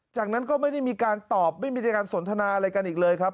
จากนั้นก็ไม่ได้มีการตอบไม่มีการสนทนาอะไรกันอีกเลยครับ